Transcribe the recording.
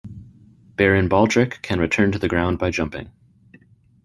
Baron Baldric can return to the ground by jumping.